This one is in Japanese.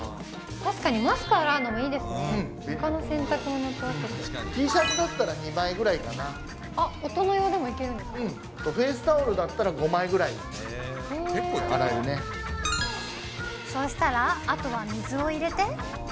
確かにマスク洗うのもいいでＴシャツだったら２枚ぐらいあ、大人用でもいけるんですフェースタオルだったら５枚そうしたら、あとは水を入れて。